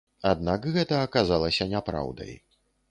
Аднак гэта аказалася няпраўдай.